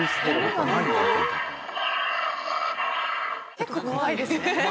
「」結構怖いですね。